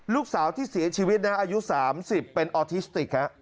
ลูกสาวที่เสียชีวิตนะอายุ๓๐เป็นออทิสติก